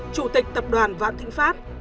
chủ tịch tập đoàn vạn thịnh pháp